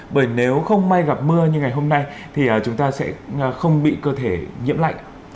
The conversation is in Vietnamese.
bởi nếu không may gặp mưa như ngày hôm nay thì chúng ta sẽ không bị cơ thể nhiễm lạnh